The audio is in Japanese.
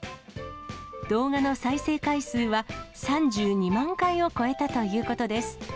動画の再生回数は３２万回を超えたということです。